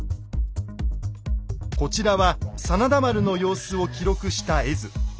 こちらは真田丸の様子を記録した絵図。